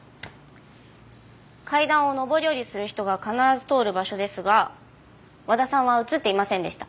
階段を上り下りする人が必ず通る場所ですが和田さんは映っていませんでした。